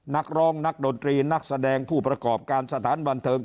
นักร้องนักดนตรีนักแสดงผู้ประกอบการสถานบันเทิง